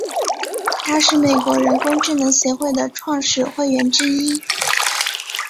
他是美国人工智能协会的创始会员之一。